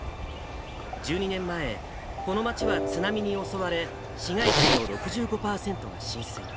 １２年前、この町は津波に襲われ、市街地の６５％が浸水。